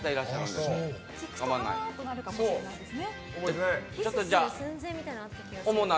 となるかもしれないです。